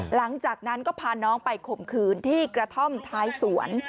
หลังจากนั้นก็พาน้องไปข่มขืนที่กระท่อมท้ายสวน